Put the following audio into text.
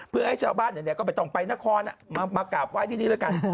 เพื่อให้ชาวบ้านไหนก็ไม่ต้องไปนครมากราบไหว้ที่นี่แล้วกัน